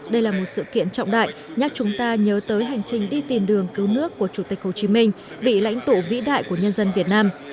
đây là một sự kiện trọng đại nhắc chúng ta nhớ tới hành trình đi tìm đường cứu nước của chủ tịch hồ chí minh vị lãnh tụ vĩ đại của nhân dân việt nam